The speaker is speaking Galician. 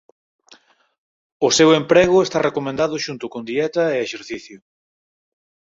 O seu emprego está recomendado xunto con dieta e exercicio.